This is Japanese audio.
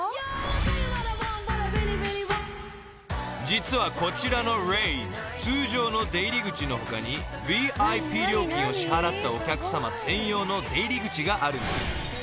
［実はこちらのＲＡＩＳＥ通常の出入り口の他にＶＩＰ料金を支払ったお客さま専用の出入り口があるんです］